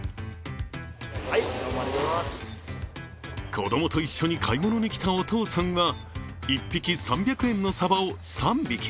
子供と一緒に買い物に来たお父さんが１匹３００円のさばを３匹。